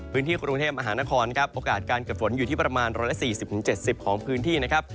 พื้นที่กรุงเทพมหานครครับโอกาสการเกิดฝนอยู่ที่ประมาณ๑๔๐๗๐ของพื้นที่นะครับ